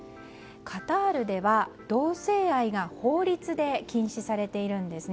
カタールは同性愛が法律で禁止されているんです。